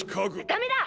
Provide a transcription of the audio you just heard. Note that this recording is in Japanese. ダメだ！